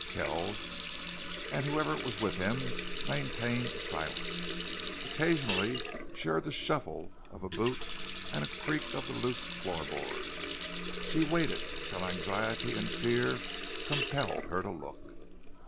Kells, and whoever was with him, maintained silence. Occasionally she heard the shuffle of a boot and a creak of the loose floor boards. She waited till anxiety and fear compelled her to look.